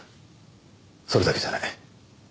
それだけじゃない。